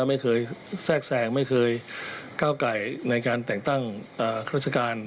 ไม่เคยแทรกแซงไม่เคยก้าวไก่ในการแต่งตั้งราชการ